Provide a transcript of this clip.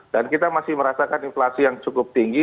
dan kita masih merasakan inflasi yang cukup tinggi